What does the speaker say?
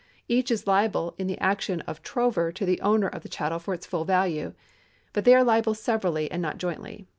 Each is liai)le in the action of trover to the owner of the chattel for its full value. But they are liable severally, and not jointly.